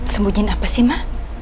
sembunyiin apa sih ma